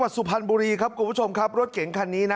สุพรรณบุรีครับคุณผู้ชมครับรถเก๋งคันนี้นะ